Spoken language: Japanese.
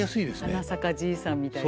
「はなさかじいさん」みたいなね。